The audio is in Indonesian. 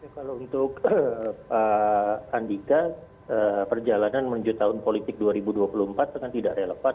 kalau untuk pak andika perjalanan menuju tahun politik dua ribu dua puluh empat sangat tidak relevan